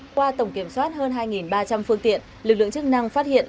qua tổng kiểm soát hơn hai ba trăm linh phương tiện lực lượng chức năng phát hiện